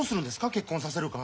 結婚させる会。